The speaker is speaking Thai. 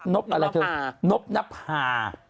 นบอะไรคือนบนับหา